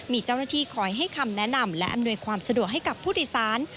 มีเจ้าหน้าที่คอยให้คำแนะนำและอำนวยความสะดวกให้กับผู้โดยสาร